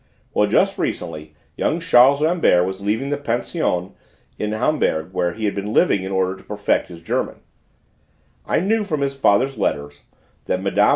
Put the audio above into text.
Well, just recently young Charles Rambert was leaving the pension in Hamburg where he had been living in order to perfect his German; I knew from his father's letters that Mme.